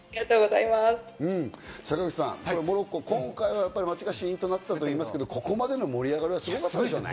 坂口さん、モロッコ今回は街がシンとなってたと言いますが、ここまでの盛り上がりがすごかったですよね。